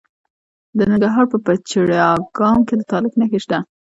د ننګرهار په پچیر اګام کې د تالک نښې شته.